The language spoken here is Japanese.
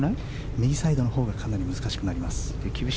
右サイドのほうがかなり難しくなります。